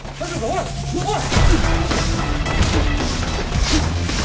おいおい。